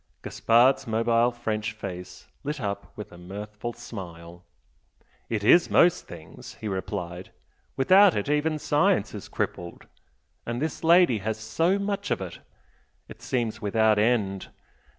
Gaspard's mobile French face lit up with a mirthful smile. "It is most things!" he replied "Without it even science is crippled. And this lady has so much of it! it seems without end!